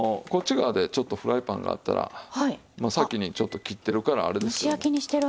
こっち側でちょっとフライパンがあったらまあ先にちょっと切ってるからあれですけども。